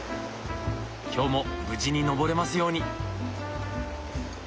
今日も無事に登れますように。